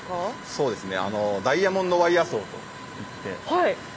そうですね。